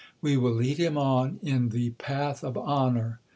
We will lead him on in the path of honour.